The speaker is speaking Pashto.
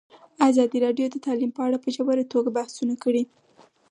ازادي راډیو د تعلیم په اړه په ژوره توګه بحثونه کړي.